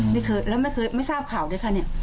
ไม่เคยแล้วไม่เคยไม่ทราบข่าวด้วยค่ะเนี่ย